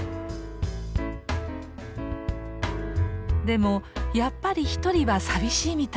でもやっぱり一人は寂しいみたいで。